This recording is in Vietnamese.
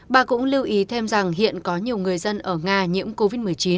bà cũng lưu ý thêm rằng hiện có nhiều người dân ở nga nhiễm covid một mươi chín